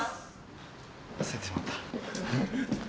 忘れてしまった。